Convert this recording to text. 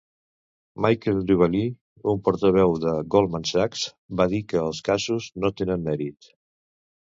Michael DuVally, un portaveu de Goldman Sachs, va dir que els casos no tenen mèrit.